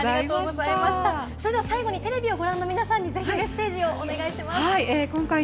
最後にテレビをご覧の皆さんに、ぜひメッセージをお願いします。